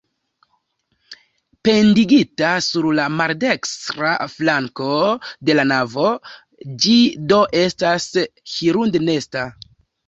Pendigita sur la maldekstra flanko de la navo, ĝi do estas hirundnesta.